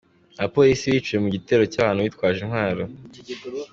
Abapolisi biciwe mu gitero cy’abantu bitwaje intwaro